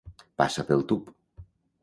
Passar pel tub.